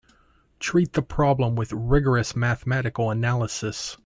Treat the problem with rigorous mathematical analysis.